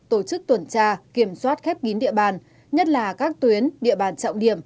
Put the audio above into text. tổ chức tuần tra kiểm soát khép kín địa bàn nhất là các tuyến địa bàn trọng điểm